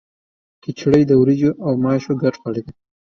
کچړي د وریجو او ماشو ګډ خواړه دي.